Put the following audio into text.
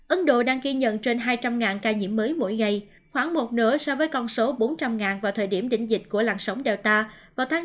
ấn độ đang ghi nhận trên hai trăm linh ca nhiễm mới mỗi ngày khoảng một nửa so với con số bốn trăm linh vào thời điểm đỉnh dịch của làn sóng delta vào tháng năm